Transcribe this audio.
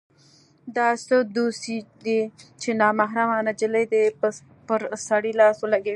دا څه دوسي ده چې نامحرمه نجلۍ دې پر سړي لاس ولګوي.